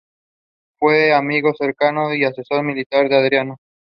The restaurant encourages both staff and customers to act rudely and complain.